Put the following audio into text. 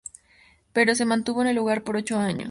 Pero se mantuvo en el lugar por ocho años.